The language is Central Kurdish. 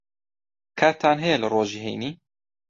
کاتتان ھەیە لە ڕۆژی ھەینی؟